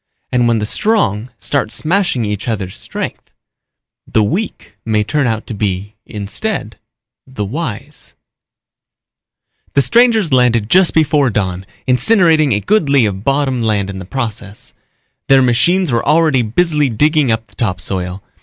And when the Strong start smashing each other's strength ... the Weak may turn out to be, instead, the Wise._ BY G. C. EDMONDSON Illustrated by Freas The strangers landed just before dawn, incinerating a good li of bottom land in the process. Their machines were already busily digging up the topsoil.